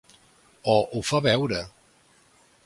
O ho fa veure.